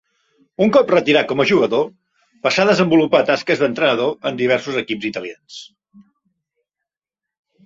Un cop retirat com a jugador passà a desenvolupar tasques d'entrenador en diversos equips italians.